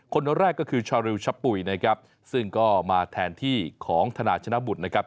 คนแรกก็คือชาริวชะปุ๋ยนะครับซึ่งก็มาแทนที่ของธนาชนะบุตรนะครับ